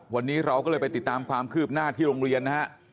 วันนี้เราก็เลยไปติดตามความคืบหน้าที่โรงเรียนนะฮะ